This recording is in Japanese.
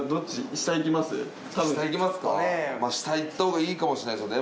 下行ったほうがいいかもしれないですよね。